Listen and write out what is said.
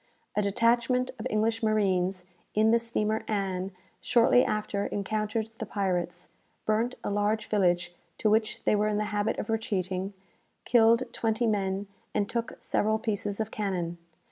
"A detachment of English marines, in the steamer 'Ann,' shortly after encountered the pirates, burnt a large village to which they were in the habit of retreating, killed twenty men, and took several pieces of cannon.